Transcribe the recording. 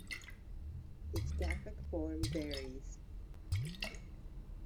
Its graphic form varies.